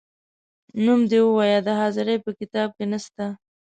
نوم دي ووایه د حاضرۍ په کتاب کې نه سته ،